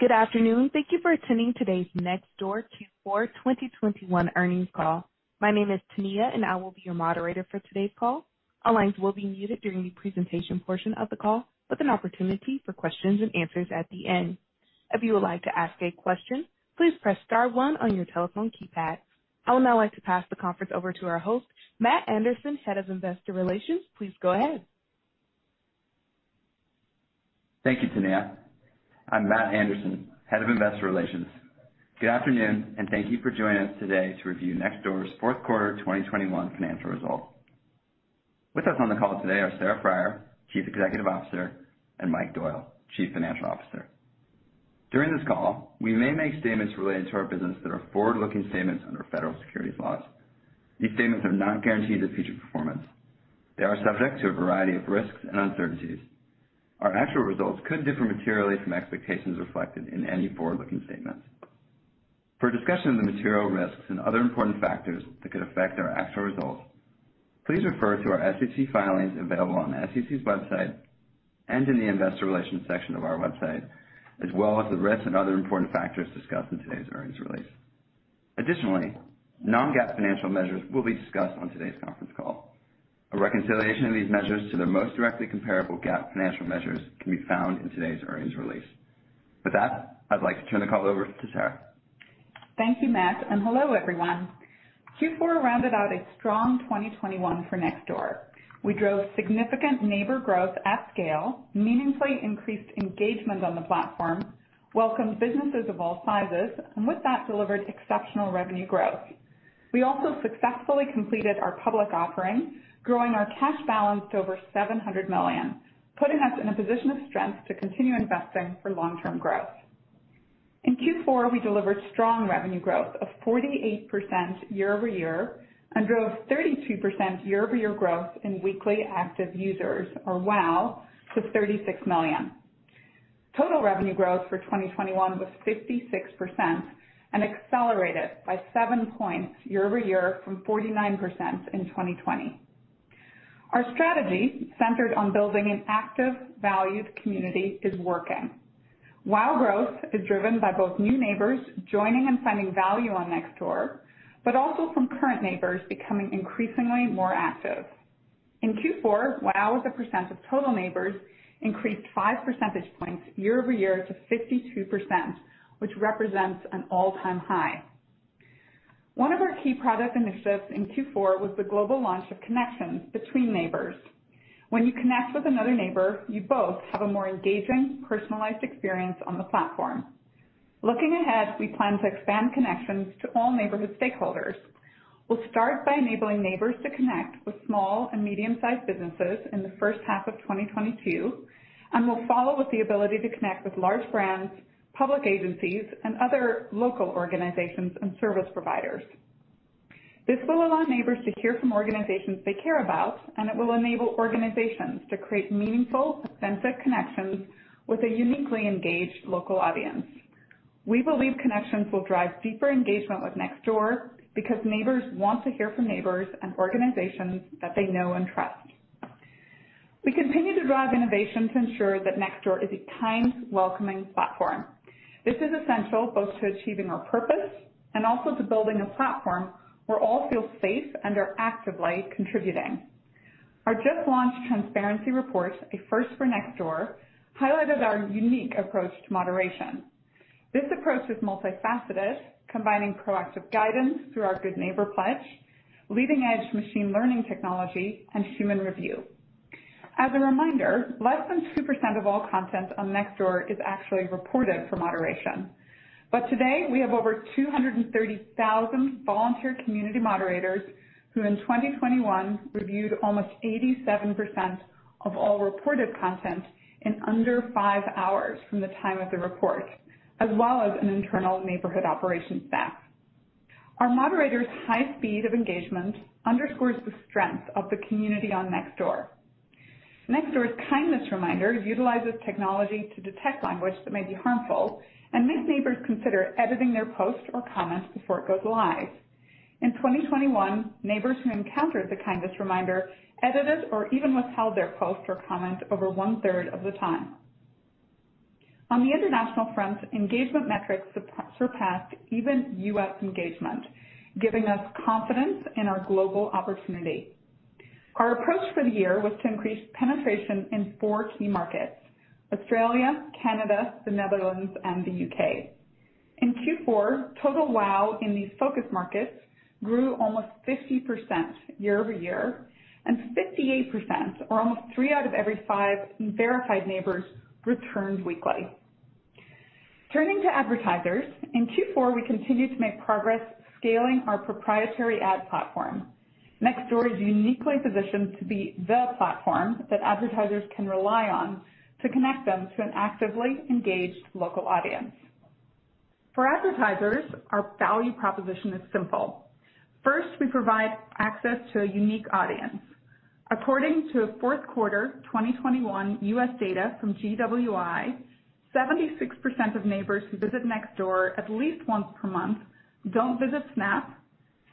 Good afternoon. Thank you for attending today's Nextdoor Q4 2021 earnings call. My name is Tania, and I will be your moderator for today's call. All lines will be muted during the presentation portion of the call, with an opportunity for questions and answers at the end. If you would like to ask a question, please press star one on your telephone keypad. I would now like to pass the conference over to our host, Matt Anderson, Head of Investor Relations. Please go ahead. Thank you, Tania. I'm Matt Anderson, Head of Investor Relations. Good afternoon, and thank you for joining us today to review Nextdoor's fourth quarter 2021 financial results. With us on the call today are Sarah Friar, Chief Executive Officer, and Mike Doyle, Chief Financial Officer. During this call, we may make statements related to our business that are forward-looking statements under federal securities laws. These statements are not guarantees of future performance. They are subject to a variety of risks and uncertainties. Our actual results could differ materially from expectations reflected in any forward-looking statements. For a discussion of the material risks and other important factors that could affect our actual results, please refer to our SEC filings available on the SEC's website and in the investor relations section of our website, as well as the risks and other important factors discussed in today's earnings release. Additionally, non-GAAP financial measures will be discussed on today's conference call. A reconciliation of these measures to their most directly comparable GAAP financial measures can be found in today's earnings release. With that, I'd like to turn the call over to Sarah. Thank you, Matt, and hello, everyone. Q4 rounded out a strong 2021 for Nextdoor. We drove significant neighbor growth at scale, meaningfully increased engagement on the platform, welcomed businesses of all sizes, and with that, delivered exceptional revenue growth. We also successfully completed our public offering, growing our cash balance to over $700 million, putting us in a position of strength to continue investing for long-term growth. In Q4, we delivered strong revenue growth of 48% year-over-year and drove 32% year-over-year growth in weekly active users, or WAU, to 36 million. Total revenue growth for 2021 was 56% and accelerated by 7 points year-over-year from 49% in 2020. Our strategy centered on building an active, valued community is working. WAU growth is driven by both new neighbors joining and finding value on Nextdoor, but also from current neighbors becoming increasingly more active. In Q4, WAU as a percent of total neighbors increased 5 percentage points year-over-year to 52%, which represents an all-time high. One of our key product initiatives in Q4 was the global launch of connections between neighbors. When you connect with another neighbor, you both have a more engaging, personalized experience on the platform. Looking ahead, we plan to expand connections to all neighborhood stakeholders. We'll start by enabling neighbors to connect with small and medium-sized businesses in the first half of 2022, and we'll follow with the ability to connect with large brands, public agencies, and other local organizations and service providers. This will allow neighbors to hear from organizations they care about, and it will enable organizations to create meaningful, authentic connections with a uniquely engaged local audience. We believe connections will drive deeper engagement with Nextdoor because neighbors want to hear from neighbors and organizations that they know and trust. We continue to drive innovation to ensure that Nextdoor is a kind, welcoming platform. This is essential both to achieving our purpose and also to building a platform where all feel safe and are actively contributing. Our just-launched transparency report, a first for Nextdoor, highlighted our unique approach to moderation. This approach is multifaceted, combining proactive guidance through our Good Neighbor Pledge, leading-edge machine learning technology, and human review. As a reminder, less than 2% of all content on Nextdoor is actually reported for moderation. Today, we have over 230,000 volunteer community moderators who in 2021 reviewed almost 87% of all reported content in under 5 hours from the time of the report, as well as an internal neighborhood operations staff. Our moderators' high speed of engagement underscores the strength of the community on Nextdoor. Nextdoor's Kindness Reminder utilizes technology to detect language that may be harmful and makes neighbors consider editing their post or comment before it goes live. In 2021, neighbors who encountered the Kindness Reminder edited or even withheld their post or comment over 1/3 of the time. On the international front, engagement metrics surpassed even U.S. engagement, giving us confidence in our global opportunity. Our approach for the year was to increase penetration in four key markets: Australia, Canada, the Netherlands, and the U.K. In Q4, total WAU in these focus markets grew almost 50% year-over-year, and 58%, or almost three out of every five verified neighbors, returned weekly. Turning to advertisers, in Q4, we continued to make progress scaling our proprietary ad platform. Nextdoor is uniquely positioned to be the platform that advertisers can rely on to connect them to an actively engaged local audience. For advertisers, our value proposition is simple. First, we provide access to a unique audience. According to fourth quarter 2021 U.S. data from GWI, 76% of neighbors who visit Nextdoor at least once per month don't visit Snap.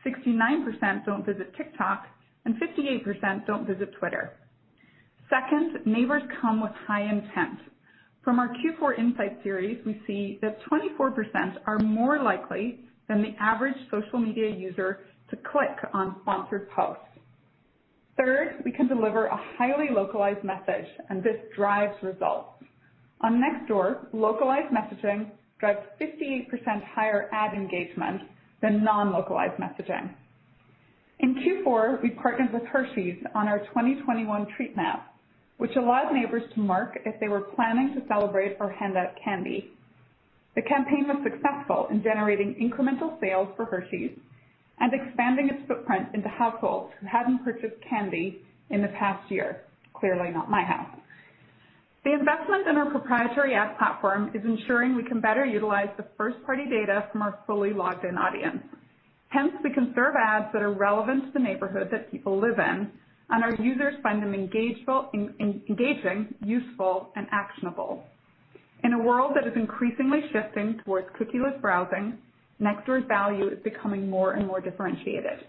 69% don't visit TikTok, and 58% don't visit Twitter. Second, neighbors come with high intent. From our Q4 Insights Series, we see that 24% are more likely than the average social media user to click on sponsored posts. Third, we can deliver a highly localized message, and this drives results. On Nextdoor, localized messaging drives 58% higher ad engagement than non-localized messaging. In Q4, we partnered with Hershey's on our 2021 Treat Map, which allowed neighbors to mark if they were planning to celebrate or hand out candy. The campaign was successful in generating incremental sales for Hershey's and expanding its footprint into households who hadn't purchased candy in the past year. Clearly not my house. The investment in our proprietary ad platform is ensuring we can better utilize the first-party data from our fully logged in audience. Hence, we can serve ads that are relevant to the neighborhood that people live in, and our users find them engaging, useful, and actionable. In a world that is increasingly shifting towards cookieless browsing, Nextdoor's value is becoming more and more differentiated.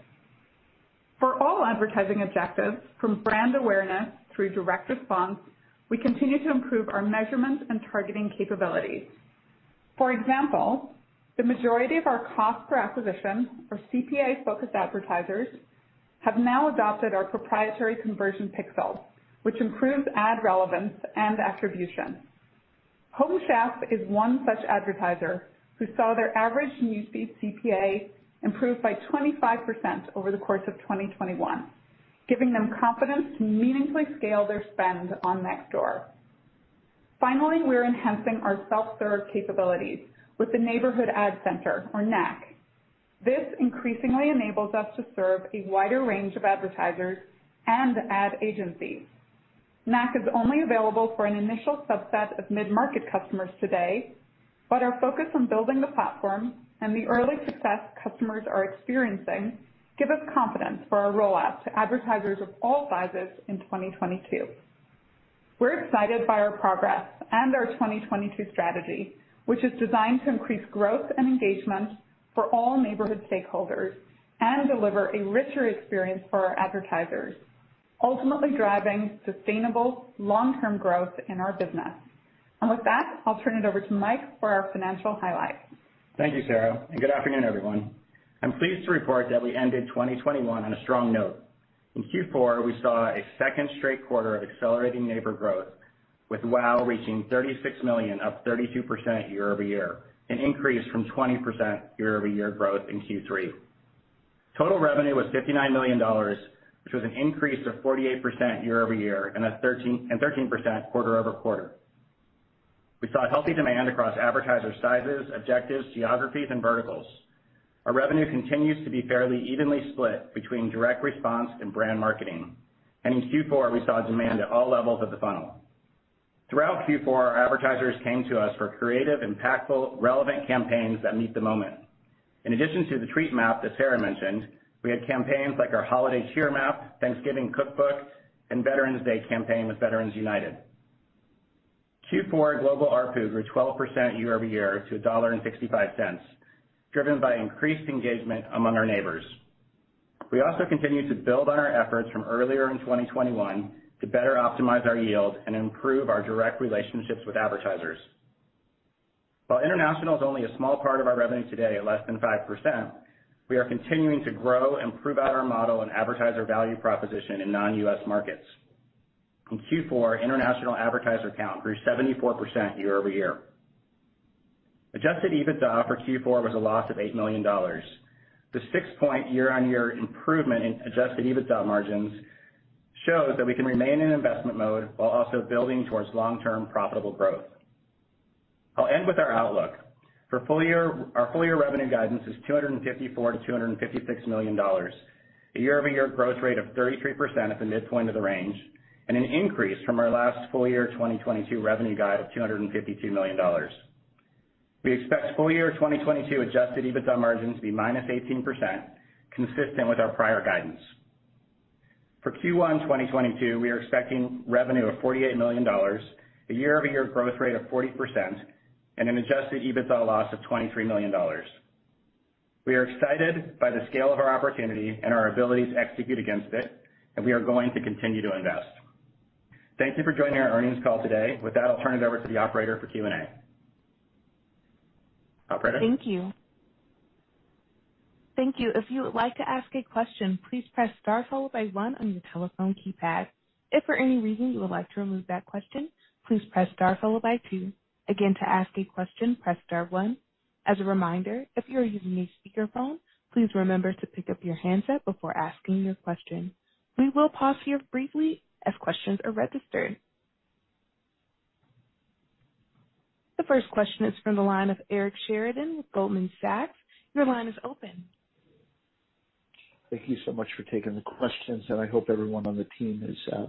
For all advertising objectives, from brand awareness through direct response, we continue to improve our measurements and targeting capabilities. For example, the majority of our cost per acquisition for CPA-focused advertisers have now adopted our proprietary conversion pixel, which improves ad relevance and attribution. Home Chef is one such advertiser who saw their average new customer CPA improve by 25% over the course of 2021, giving them confidence to meaningfully scale their spend on Nextdoor. Finally, we're enhancing our self-serve capabilities with the Neighborhood Ad Center, or NAC. This increasingly enables us to serve a wider range of advertisers and ad agencies. NAC is only available for an initial subset of mid-market customers today, but our focus on building the platform and the early success customers are experiencing give us confidence for our rollout to advertisers of all sizes in 2022. We're excited by our progress and our 2022 strategy, which is designed to increase growth and engagement for all neighborhood stakeholders and deliver a richer experience for our advertisers, ultimately driving sustainable long-term growth in our business. With that, I'll turn it over to Mike for our financial highlights. Thank you, Sarah, and good afternoon, everyone. I'm pleased to report that we ended 2021 on a strong note. In Q4, we saw a second straight quarter of accelerating neighbor growth, with WAU reaching 36 million, up 32% year-over-year an increase from 20% year-over-year growth in Q3. Total revenue was $59 million, which was an increase of 48% year-over-year and a 13% quarter over quarter. We saw a healthy demand across advertiser sizes, objectives, geographies, and verticals. Our revenue continues to be fairly evenly split between direct response and brand marketing. In Q4, we saw demand at all levels of the funnel. Throughout Q4, our advertisers came to us for creative, impactful, relevant campaigns that meet the moment. In addition to the Treat Map that Sarah mentioned, we had campaigns like our Holiday Cheer Map, Thanksgiving Cookbook, and Veterans Day campaign with Veterans United. Q4 global ARPU grew 12% year-over-year to $1.65, driven by increased engagement among our neighbors. We also continued to build on our efforts from earlier in 2021 to better optimize our yield and improve our direct relationships with advertisers. While international is only a small part of our revenue today at less than 5%, we are continuing to grow and prove out our model and advertiser value proposition in non-U.S. markets. In Q4, international advertiser count grew 74% year-over-year. Adjusted EBITDA for Q4 was a loss of $8 million. The 6-point year-on-year improvement in adjusted EBITDA margins shows that we can remain in investment mode while also building towards long-term profitable growth. I'll end with our outlook. Our full year revenue guidance is $254 million to $256 million, a year-over-year growth rate of 33% at the midpoint of the range and an increase from our last full year 2022 revenue guide of $252 million. We expect full year 2022 adjusted EBITDA margins to be -18%, consistent with our prior guidance. For Q1 2022, we are expecting revenue of $48 million, a year-over-year growth rate of 40%, and an adjusted EBITDA loss of $23 million. We are excited by the scale of our opportunity and our ability to execute against it, and we are going to continue to invest. Thank you for joining our earnings call today. With that, I'll turn it over to the operator for Q&A. Operator? Thank you. If you would like to ask a question, please press star followed by one on your telephone keypad. If for any reason you would like to remove that question, please press star followed by two. Again, to ask a question, press star one. As a reminder, if you are using a speakerphone, please remember to pick up your handset before asking your question. We will pause here briefly as questions are registered. The first question is from the line of Eric Sheridan with Goldman Sachs. Your line is open. Thank you so much for taking the questions, and I hope everyone on the team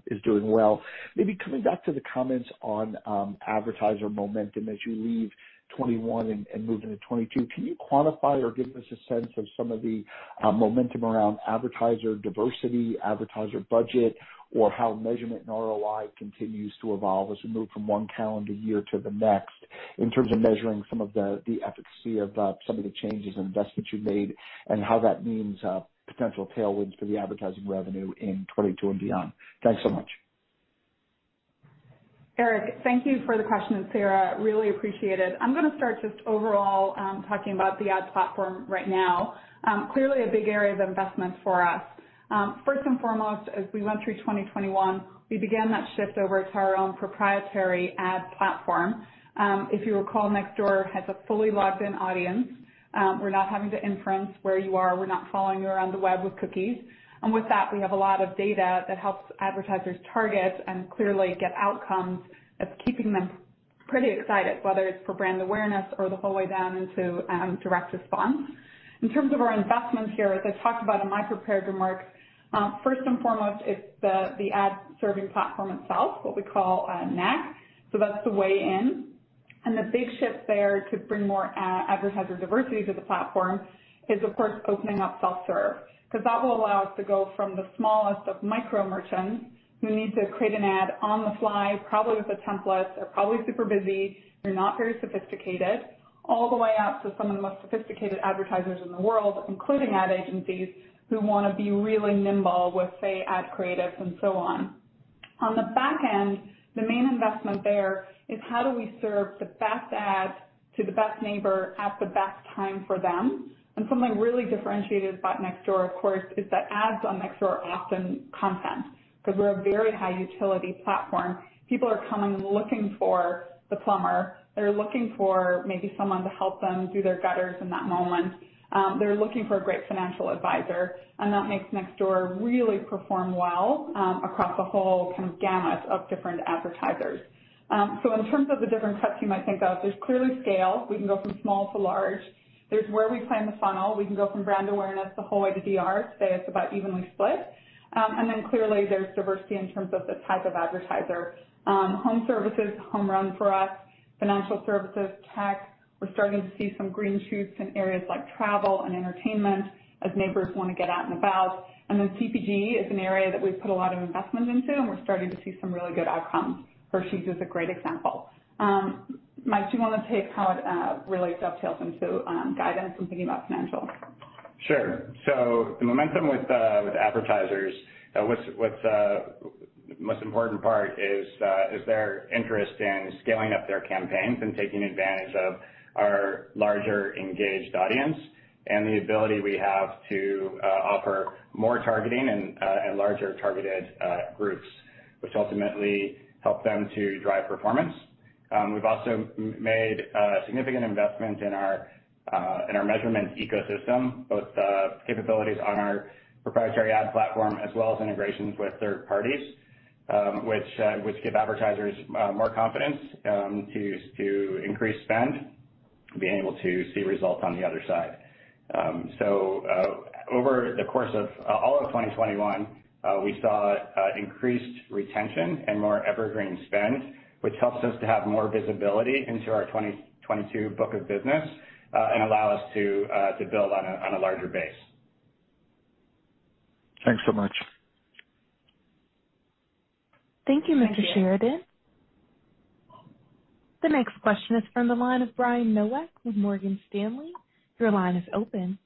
is doing well. Maybe coming back to the comments on advertiser momentum as you leave 2021 and move into 2022, can you quantify or give us a sense of some of the momentum around advertiser diversity, advertiser budget, or how measurement and ROI continues to evolve as we move from one calendar year to the next in terms of measuring some of the efficacy of some of the changes and investments you've made and how that means potential tailwinds for the advertising revenue in 2022 and beyond? Thanks so much. Eric, thank you for the question, and Sarah, really appreciate it. I'm gonna start just overall talking about the ad platform right now. Clearly a big area of investment for us. First and foremost, as we went through 2021, we began that shift over to our own proprietary ad platform. If you recall, Nextdoor has a fully logged in audience. We're not having to infer where you are. We're not following you around the web with cookies. And with that, we have a lot of data that helps advertisers target and clearly get outcomes that's keeping them pretty excited, whether it's for brand awareness or the whole way down into direct response. In terms of our investment here, as I talked about in my prepared remarks, first and foremost, it's the ad serving platform itself, what we call NAC. That's the way in. The big shift there to bring more advertiser diversity to the platform is of course opening up self-serve, 'cause that will allow us to go from the smallest of micro merchants who need to create an ad on the fly, probably with a template. They're probably super busy. They're not very sophisticated. All the way out to some of the most sophisticated advertisers in the world, including ad agencies who wanna be really nimble with, say, ad creatives and so on. On the back end, the main investment there is how do we serve the best ad to the best neighbor at the best time for them? Something really differentiated about Nextdoor, of course, is that ads on Nextdoor are often content, 'cause we're a very high utility platform. People are coming, looking for the plumber. They're looking for maybe someone to help them do their gutters in that moment. They're looking for a great financial advisor, and that makes Nextdoor really perform well, across the whole kind of gamut of different advertisers. In terms of the different cuts you might think of, there's clearly scale. We can go from small to large. There's where we play in the funnel. We can go from brand awareness the whole way to DR. Today it's about evenly split. Clearly there's diversity in terms of the type of advertiser. Home services, home run for us. Financial services, tech. We're starting to see some green shoots in areas like travel and entertainment as neighbors wanna get out and about. CPG is an area that we've put a lot of investment into, and we're starting to see some really good outcomes. Hershey's is a great example. Mike, do you wanna take how it really dovetails into guidance and thinking about financial? Sure. The momentum with advertisers, what's most important part is their interest in scaling up their campaigns and taking advantage of our larger engaged audience and the ability we have to offer more targeting and larger targeted groups, which ultimately help them to drive performance. We've also made a significant investment in our measurement ecosystem, both capabilities on our proprietary ad platform as well as integrations with third parties, which give advertisers more confidence to increase spend, being able to see results on the other side. Over the course of all of 2021, we saw increased retention and more evergreen spend, which helps us to have more visibility into our 2022 book of business, and allow us to build on a larger base. Thanks so much. Thank you, Mr. Sheridan. The next question is from the line of Brian Nowak with Morgan Stanley. Your line is open.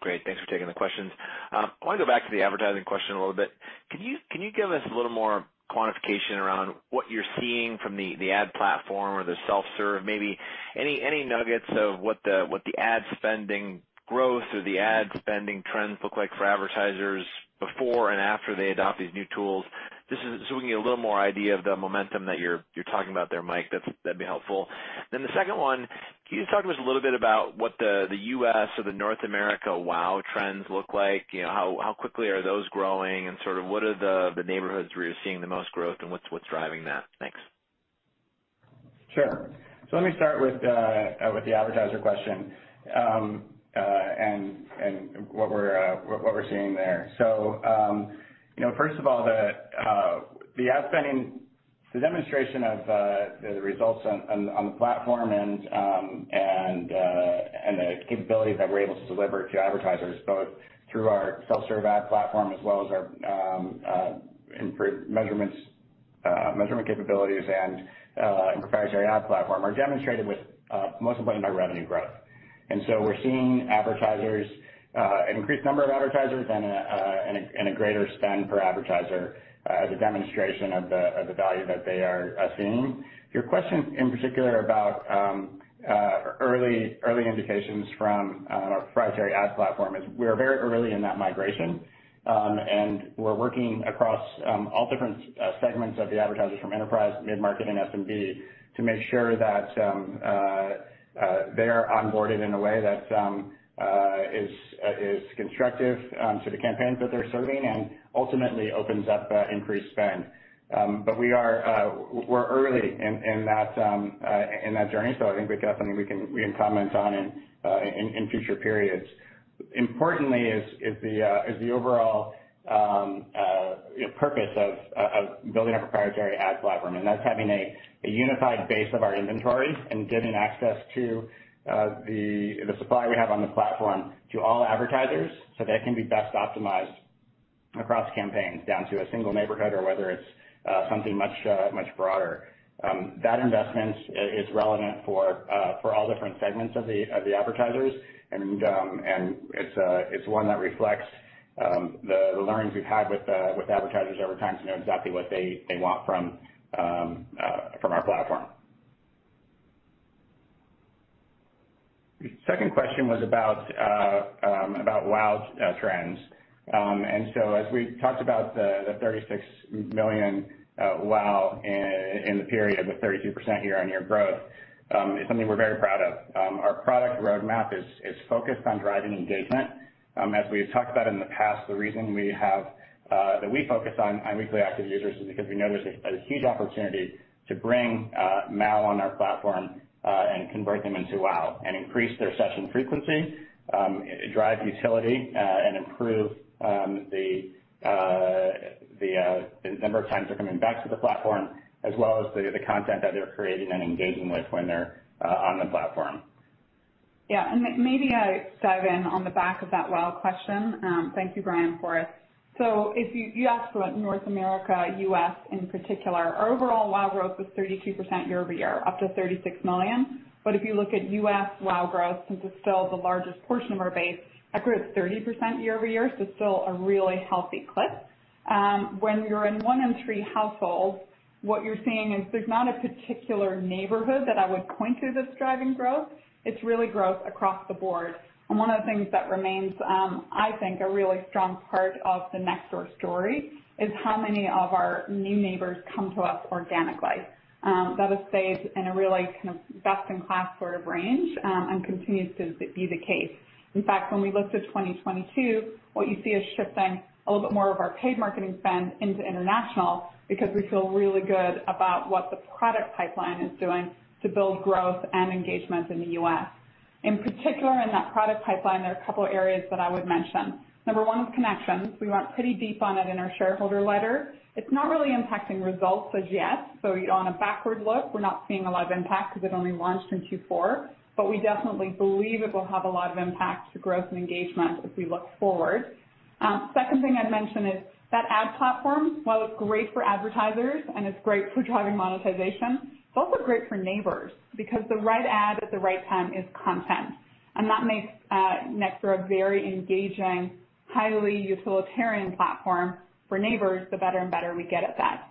Great. Thanks for taking the questions. I wanna go back to the advertising question a little bit. Can you give us a little more quantification around what you're seeing from the ad platform or the self-serve? Maybe any nuggets of what the ad spending growth or the ad spending trends look like for advertisers before and after they adopt these new tools. This is so we can get a little more idea of the momentum that you're talking about there, Mike. That'd be helpful. The second one, can you talk to us a little bit about what the U.S. or the North America WAU trends look like? You know, how quickly are those growing and sort of what are the neighborhoods where you're seeing the most growth and what's driving that? Thanks. Sure. Let me start with the advertiser question, and what we're seeing there. You know, first of all, the ad spending, the demonstration of the results on the platform and the capabilities that we're able to deliver to advertisers both through our self-serve ad platform as well as our improved measurement capabilities and proprietary ad platform are demonstrated with most importantly by revenue growth. We're seeing advertisers, an increased number of advertisers and a greater spend per advertiser, as a demonstration of the value that they are seeing. Your question in particular about early indications from our proprietary ad platform is we are very early in that migration, and we're working across all different segments of the advertisers from enterprise, mid-market, and SMB to make sure that they are onboarded in a way that is constructive to the campaigns that they're serving and ultimately opens up increased spend. But we're early in that journey, so I think we've got something we can comment on in future periods. Importantly, the overall, you know, purpose of building a proprietary ad platform, and that's having a unified base of our inventory and giving access to the supply we have on the platform to all advertisers, so they can be best optimized across campaigns down to a single neighborhood or whether it's something much broader. That investment is relevant for all different segments of the advertisers. It's one that reflects the learnings we've had with advertisers over time to know exactly what they want from our platform. The second question was about WAU trends. As we talked about the 36 million WAU in the period with 32% year-on-year growth, it's something we're very proud of. Our product roadmap is focused on driving engagement. As we have talked about in the past, the reason we focus on weekly active users is because we know there's a huge opportunity to bring MAU on our platform and convert them into WAU and increase their session frequency, drive utility, and improve the number of times they're coming back to the platform, as well as the content that they're creating and engaging with when they're on the platform. Yeah. Maybe I dive in on the back of that WAU question. Thank you, Brian, for it. If you asked about North America, U.S. in particular, our overall WAU growth was 32% year-over-year, up to 36 million. If you look at U.S. WAU growth, since it's still the largest portion of our base, that grew at 30% year-over-year, so still a really healthy clip. When you're in one in three households, what you're seeing is there's not a particular neighborhood that I would point to that's driving growth. It's really growth across the board. One of the things that remains, I think a really strong part of the Nextdoor story is how many of our new neighbors come to us organically. That has stayed in a really kind of best in class sort of range, and continues to be the case. In fact, when we look to 2022, what you see is shifting a little bit more of our paid marketing spend into international because we feel really good about what the product pipeline is doing to build growth and engagement in the U.S. In particular, in that product pipeline, there are a couple of areas that I would mention. Number one is Connections. We went pretty deep on it in our shareholder letter. It's not really impacting results as yet, so on a backward look, we're not seeing a lot of impact because it only launched in Q4. We definitely believe it will have a lot of impact to growth and engagement as we look forward. Second thing I'd mention is that ad platform, while it's great for advertisers and it's great for driving monetization, it's also great for neighbors because the right ad at the right time is content. That makes Nextdoor a very engaging, highly utilitarian platform for neighbors, the better and better we get at that.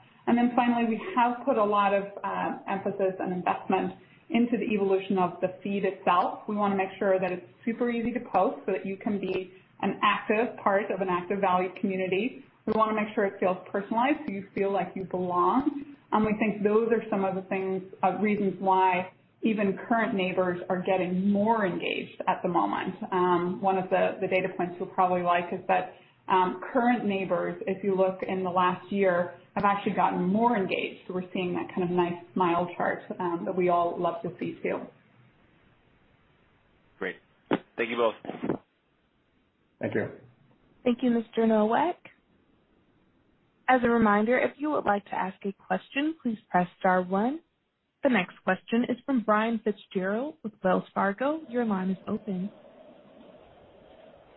Finally, we have put a lot of emphasis and investment into the evolution of the feed itself. We wanna make sure that it's super easy to post so that you can be an active part of an active value community. We wanna make sure it feels personalized, so you feel like you belong. We think those are some of the things, reasons why even current neighbors are getting more engaged at the moment. One of the data points you'll probably like is that current neighbors, if you look in the last year, have actually gotten more engaged. We're seeing that kind of nice smile chart that we all love to see too. Great. Thank you both. Thank you. Thank you, Mr. Nowak. As a reminder, if you would like to ask a question, please press star one. The next question is from Brian Fitzgerald with Wells Fargo. Your line is open.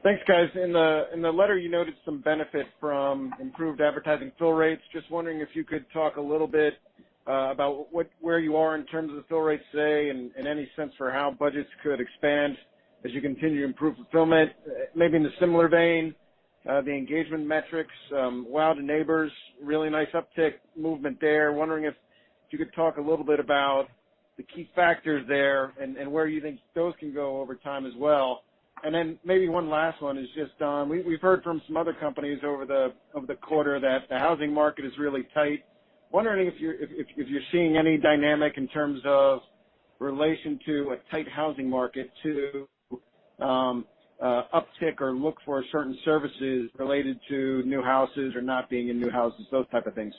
Thanks, guys. In the letter, you noted some benefit from improved advertising fill rates. Just wondering if you could talk a little bit about what where you are in terms of the fill rates today and any sense for how budgets could expand as you continue to improve fulfillment. Maybe in a similar vein, the engagement metrics, WAU to neighbors, really nice uptick movement there. Wondering if you could talk a little bit about the key factors there and where you think those can go over time as well. Maybe one last one is just, we've heard from some other companies over the quarter that the housing market is really tight. Wondering if you're seeing any dynamic in terms of relation to a tight housing market to uptick or look for certain services related to new houses or not being in new houses, those type of things.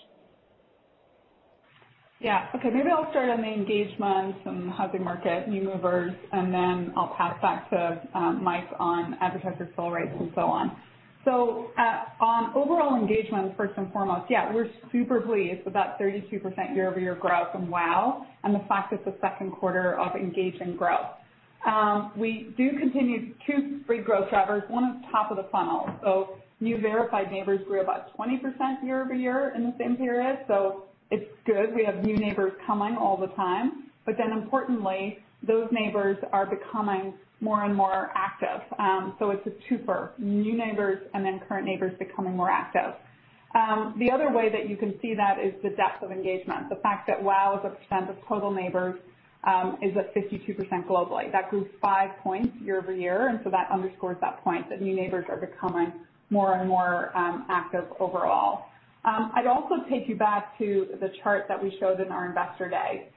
Yeah. Okay. Maybe I'll start on the engagement and housing market, new movers, and then I'll pass back to Mike on advertiser fill rates and so on. On overall engagement, first and foremost, yeah, we're super pleased with that 32% year-over-year growth from WAU and the fact it's the second quarter of consecutive growth. We do continue two key growth drivers. One is top of the funnel. New verified neighbors grew about 20% year-over-year in the same period. It's good. We have new neighbors coming all the time. Importantly, those neighbors are becoming more and more active. It's a twofer, new neighbors and then current neighbors becoming more active. The other way that you can see that is the depth of engagement. The fact that WAU as a percent of total neighbors is at 52% globally. That grew 5 points year-over-year, and that underscores that point, that new neighbors are becoming more and more active overall. I'd also take you back to the chart that we showed in our Investor Day.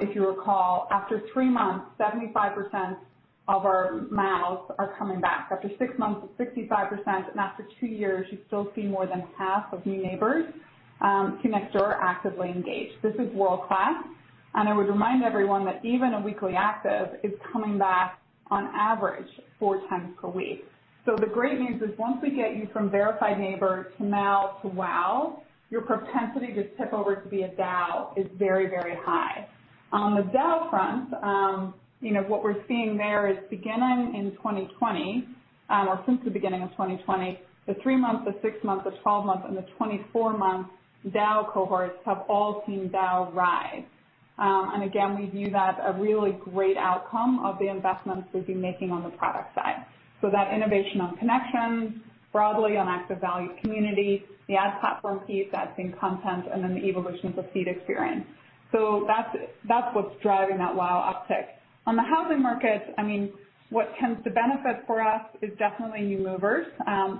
If you recall, after three months, 75% of our MAUs are coming back. After 6 months, it's 65%. After two years, you still see more than half of new neighbors to Nextdoor actively engaged. This is world-class, and I would remind everyone that even a weekly active is coming back on average four times per week. The great news is once we get you from verified neighbor to MAU to WAU, your propensity to tip over to be a DAU is very, very high. On the DAU front, you know, what we're seeing there is beginning in 2020, or since the beginning of 2020. The three-month, the six-month, the 12-month, and the 24-month DAU cohorts have all seen DAU rise. And again, we view that a really great outcome of the investments we've been making on the product side. That innovation on connections, broadly on active value community, the ad platform piece, that's in content and then the evolution of the feed experience. That's what's driving that WAU uptick. On the housing market, I mean, what tends to benefit for us is definitely new movers.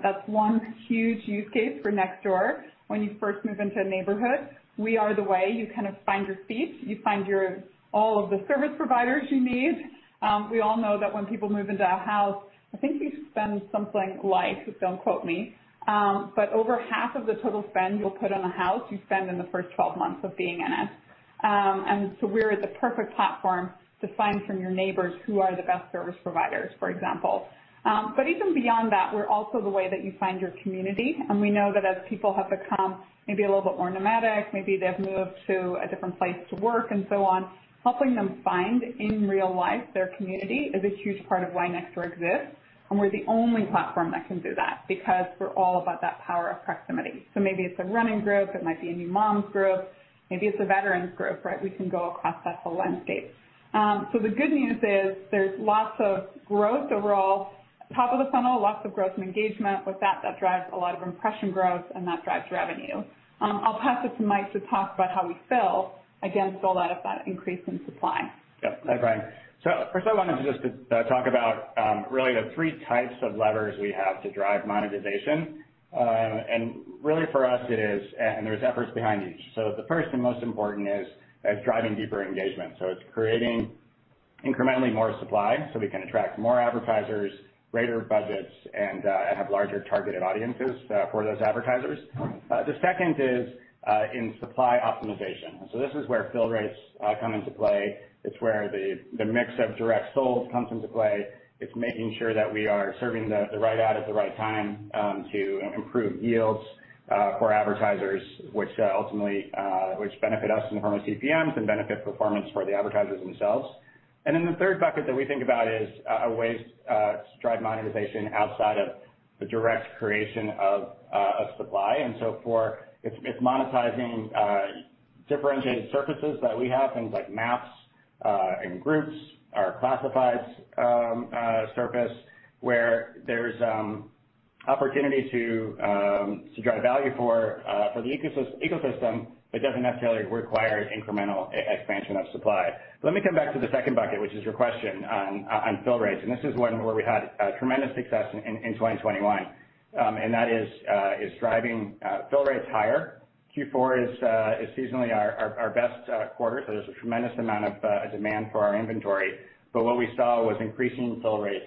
That's one huge use case for Nextdoor. When you first move into a neighborhood, we are the way you kind of find your feet, you find your, all of the service providers you need. We all know that when people move into a house, I think you spend something like, don't quote me, but over half of the total spend you'll put on a house, you spend in the first 12 months of being in it. We're the perfect platform to find from your neighbors who are the best service providers, for example. But even beyond that, we're also the way that you find your community. We know that as people have become maybe a little bit more nomadic, maybe they've moved to a different place to work and so on, helping them find in real life their community is a huge part of why Nextdoor exists, and we're the only platform that can do that because we're all about that power of proximity. Maybe it's a running group, it might be a new moms group, maybe it's a veterans group, right? We can go across that whole landscape. The good news is there's lots of growth overall. Top of the funnel, lots of growth and engagement. With that drives a lot of impression growth and that drives revenue. I'll pass it to Mike to talk about how we fill against all that increase in supply. Yeah. Hi, Brian. At first I wanted just to talk about really the three types of levers we have to drive monetization. Really for us it is and there's efforts behind each. The first and most important is driving deeper engagement, so it's creating incrementally more supply so we can attract more advertisers, greater budgets, and have larger targeted audiences for those advertisers. The second is in supply optimization. This is where fill rates come into play. It's where the mix of direct sold comes into play. It's making sure that we are serving the right ad at the right time to improve yields for advertisers, which ultimately benefit us in the form of CPMs and benefit performance for the advertisers themselves. Then the third bucket that we think about is a way to drive monetization outside of the direct creation of supply. It's monetizing differentiated surfaces that we have, things like maps and groups, our classifieds surface where there's opportunity to drive value for the ecosystem that doesn't necessarily require incremental expansion of supply. Let me come back to the second bucket, which is your question on fill rates, and this is one where we had tremendous success in 2021. That is driving fill rates higher. Q4 is seasonally our best quarter. There's a tremendous amount of demand for our inventory. What we saw was increasing fill rates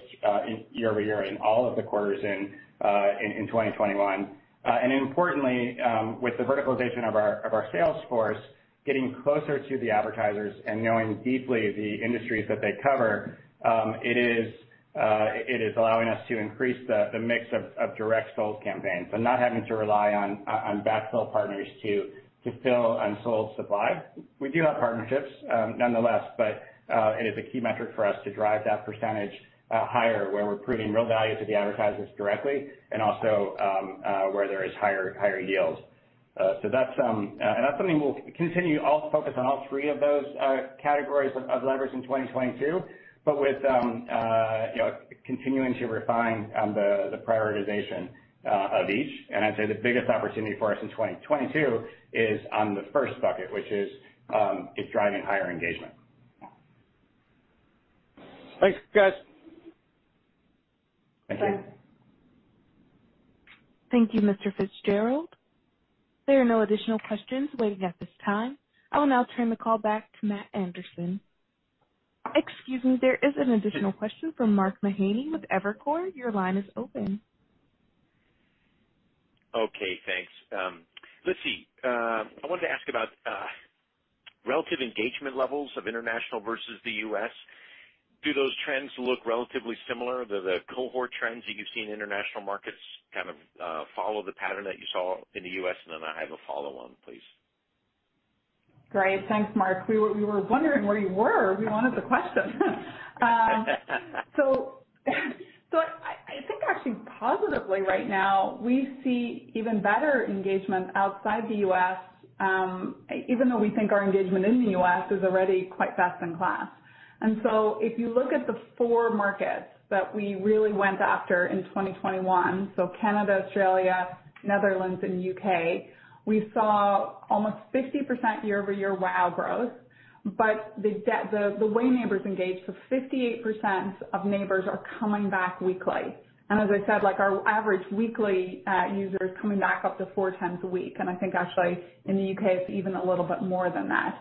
year-over-year in all of the quarters in 2021. Importantly, with the verticalization of our sales force, getting closer to the advertisers and knowing deeply the industries that they cover, it is allowing us to increase the mix of direct sold campaigns and not having to rely on backfill partners to fill unsold supply. We do have partnerships nonetheless, but it is a key metric for us to drive that percentage higher where we're proving real value to the advertisers directly and also where there is higher yields. That's something we'll continue to focus on all three of those categories of levers in 2022, but with you know continuing to refine the prioritization of each. I'd say the biggest opportunity for us in 2022 is on the first bucket, which is driving higher engagement. Thanks, guys. Thank you. Thanks. Thank you, Mr. Fitzgerald. There are no additional questions waiting at this time. I will now turn the call back to Matt Anderson. Excuse me, there is an additional question from Mark Mahaney with Evercore. Your line is open. Okay, thanks. I wanted to ask about relative engagement levels of international versus the U.S. Do those trends look relatively similar? The cohort trends that you've seen in international markets kind of follow the pattern that you saw in the U.S.? And then I have a follow on, please. Great. Thanks, Mark. We were wondering where you were. We wanted the question. I think actually positively right now, we see even better engagement outside the U.S., even though we think our engagement in the U.S. is already quite best in class. If you look at the four markets that we really went after in 2021, Canada, Australia, Netherlands, and U.K., we saw almost 50% year-over-year WAU growth. The way neighbors engage, 58% of neighbors are coming back weekly. As I said, like our average weekly user is coming back up to four times a week, and I think actually in the U.K. it's even a little bit more than that.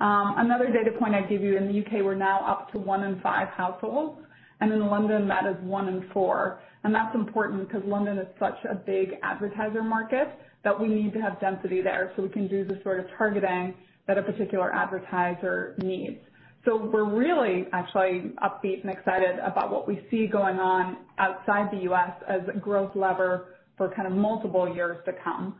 Another data point I'd give you, in the U.K. we're now up to one in five households, and in London that is one in four. That's important because London is such a big advertiser market that we need to have density there, so we can do the sort of targeting that a particular advertiser needs. We're really actually upbeat and excited about what we see going on outside the U.S. as a growth lever for kind of multiple years to come.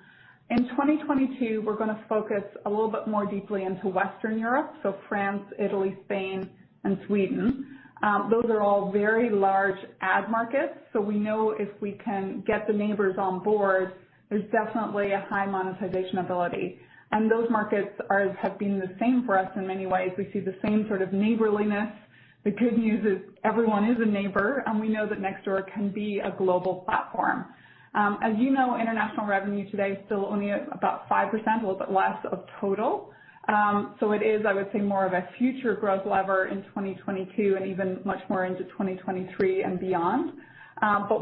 In 2022, we're gonna focus a little bit more deeply into Western Europe, so France, Italy, Spain, and Sweden. Those are all very large ad markets, so we know if we can get the neighbors on board, there's definitely a high monetization ability. Those markets have been the same for us in many ways. We see the same sort of neighborliness. The good news is everyone is a neighbor, and we know that Nextdoor can be a global platform. As you know, international revenue today is still only about 5%, a little bit less, of total. It is, I would say, more of a future growth lever in 2022 and even much more into 2023 and beyond.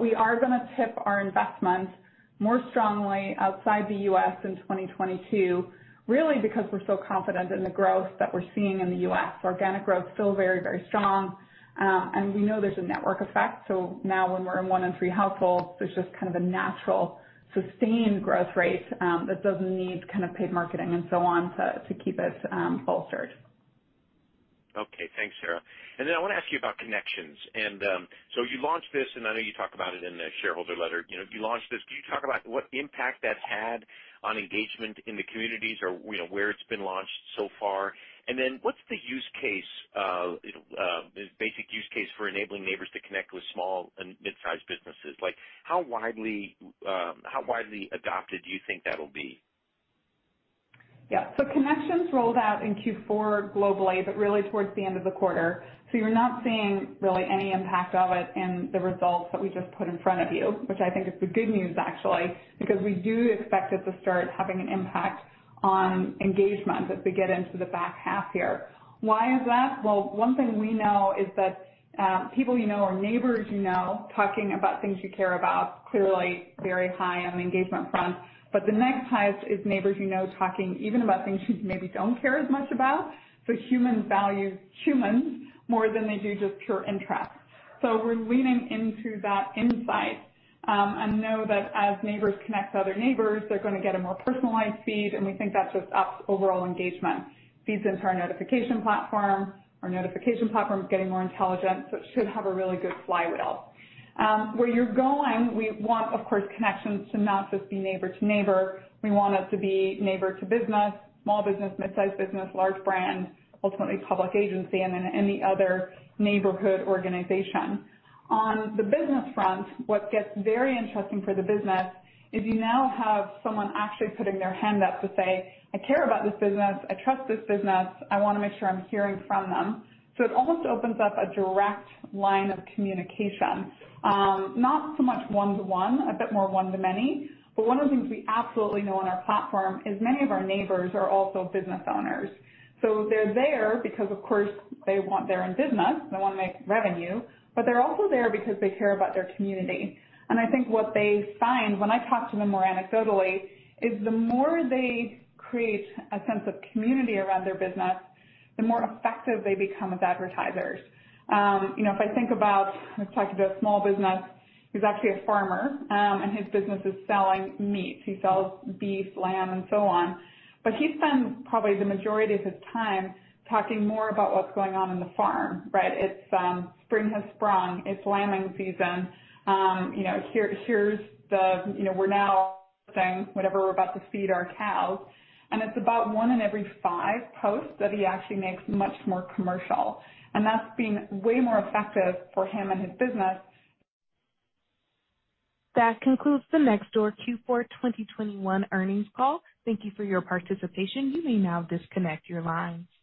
We are gonna tip our investments more strongly outside the U.S. in 2022, really because we're so confident in the growth that we're seeing in the U.S. Organic growth still very, very strong. We know there's a network effect, so now when we're in one in three households, there's just kind of a natural sustained growth rate that doesn't need kind of paid marketing and so on to keep it bolstered. Okay. Thanks, Sarah. I wanna ask you about connections. You launched this, and I know you talk about it in the shareholder letter. You know, you launched this. Can you talk about what impact that's had on engagement in the communities or, you know, where it's been launched so far? What's the use case, the basic use case for enabling neighbors to connect with small and mid-sized businesses? Like, how widely adopted do you think that'll be? Yeah. Connections rolled out in Q4 globally, but really towards the end of the quarter. You're not seeing really any impact of it in the results that we just put in front of you, which I think is the good news actually, because we do expect it to start having an impact on engagement as we get into the back half here. Why is that? Well, one thing we know is that, people you know or neighbors you know talking about things you care about, clearly very high on the engagement front. The next highest is neighbors you know talking even about things you maybe don't care as much about. Humans value humans more than they do just pure interest. We're leaning into that insight, and know that as neighbors connect to other neighbors, they're gonna get a more personalized feed, and we think that just ups overall engagement, feeds into our notification platform. Our notification platform is getting more intelligent, so it should have a really good flywheel. Where you're going, we want, of course, connections to not just be neighbor to neighbor. We want it to be neighbor to business, small business, mid-sized business, large brand, ultimately public agency, and then any other neighborhood organization. On the business front, what gets very interesting for the business is you now have someone actually putting their hand up to say, "I care about this business. I trust this business. I wanna make sure I'm hearing from them." It almost opens up a direct line of communication. Not so much one-to-one, a bit more one-to-many. One of the things we absolutely know on our platform is many of our neighbors are also business owners. They're there because, of course, they want their own business, they wanna make revenue, but they're also there because they care about their community. I think what they find, when I talk to them more anecdotally, is the more they create a sense of community around their business, the more effective they become as advertisers. You know, If I think about type of a small business. He's actually a farmer, and his business is selling meat. He sells beef, lamb, and so on. He spends probably the majority of his time talking more about what's going on in the farm, right? It's spring has sprung, it's lambing season. You know, here's the.. You know, we're now saying whatever we're about to feed our cows. It's about 1 in every 5 posts that he actually makes much more commercial. That's been way more effective for him and his business. That concludes the Nextdoor Q4 2021 earnings call. Thank you for your participation. You may now disconnect your lines.